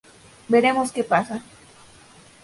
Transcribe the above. Veremos que pasa.